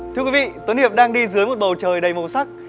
thưa quý vị tuấn hiệp đang đi dưới một bầu trời đầy màu sắc